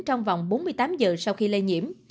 trong vòng bốn mươi tám giờ sau khi lây nhiễm